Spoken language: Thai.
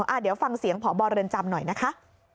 เดี๋ยวฟังเสียงพบเรือนจำหน่อยนะคะ